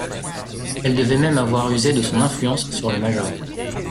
Elle devait même avoir usé de son influence sur le major.